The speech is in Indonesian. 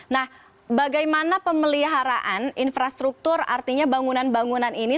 nah bagaimana pemeliharaan infrastruktur artinya bangunan bangunan ini